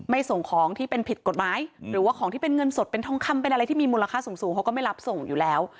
ส่งของที่เป็นผิดกฎหมายหรือว่าของที่เป็นเงินสดเป็นทองคำเป็นอะไรที่มีมูลค่าสูงเขาก็ไม่รับส่งอยู่แล้ว